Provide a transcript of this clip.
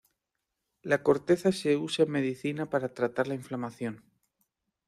La corteza se usa en medicina para tratar la inflamación.